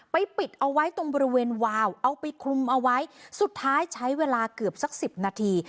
ปิดเอาไว้ตรงบริเวณวาวเอาไปคลุมเอาไว้สุดท้ายใช้เวลาเกือบสักสิบนาที